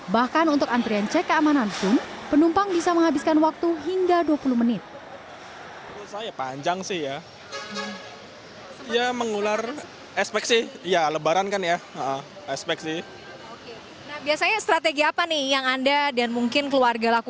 bahkan untuk antrean ck amanan fung penumpang bisa menghabiskan waktu hingga dua puluh menit